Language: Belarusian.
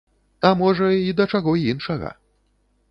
А можа, і да чаго іншага.